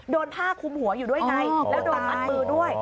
ผ้าคุมหัวอยู่ด้วยไงแล้วโดนมัดมือด้วย